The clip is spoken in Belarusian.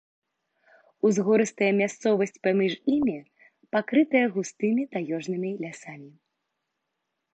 Узгорыстая мясцовасць паміж імі пакрытая густымі таежнымі лясамі.